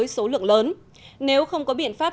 số lượng lớn nếu không có biện pháp